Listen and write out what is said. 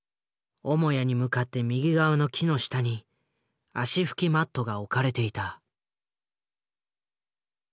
母屋に向かって右側の木の下に足ふきマットが置かれていた。